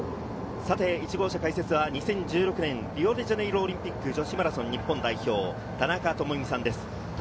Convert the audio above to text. １号車解説は２０１６年、リオデジャネイロオリンピック女子マラソン日本代表・田中智美さんです。